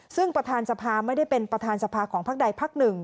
ซึ่งประธานสภาไม่ได้เป็นประธานสภาของพักใดพักหนึ่ง